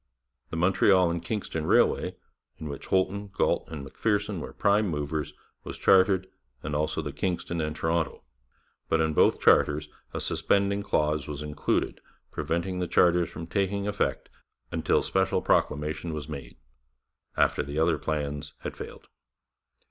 The Montreal and Kingston Railway, in which Holton, Galt, and Macpherson were prime movers, was chartered, and also the Kingston and Toronto, but in both charters a suspending clause was included preventing the charters from taking effect until special proclamation was made after the other plans had failed.